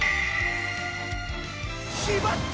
⁉しまった！